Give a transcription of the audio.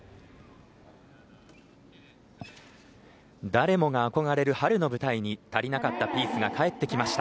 誰もがあこがれる春の舞台に足りなかったピースが帰ってきました。